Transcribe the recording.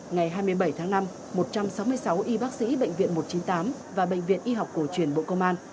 ngày hai mươi bảy tháng năm một trăm sáu mươi sáu y bác sĩ bệnh viện một trăm chín mươi tám và bệnh viện y học cổ truyền bộ công an